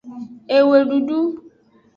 Ewedudu.